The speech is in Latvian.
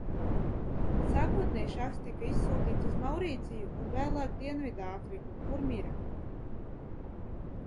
Sākotnēji šahs tika izsūtīts uz Maurīciju un vēlāk Dienvidāfriku, kur mira.